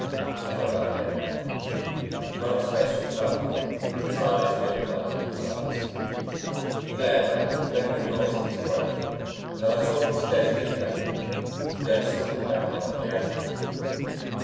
I felt like clearing out. Mattup's face was purple and his eyes looked like wolves' eyes. He glared at Danny, making a noise in his throat, and then I saw his gaze leave Danny and go to something down by the reactor.